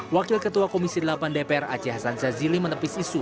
wakil ketua komisi delapan dpr aceh hasan zazili menepis isu